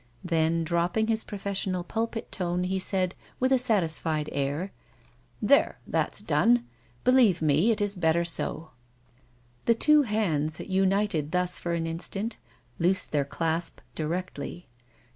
Then, dropping his professional pulpit tone, he said, with a satisfied air :" There ! that's done. Believe me, it is better so." 120 A WOMAN'S LIFE. The two hands, united thus for an instant, loosed their clasp directly.